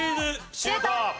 シュート！